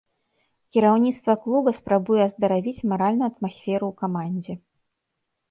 Кіраўніцтва клуба спрабуе аздаравіць маральную атмасферу ў камандзе.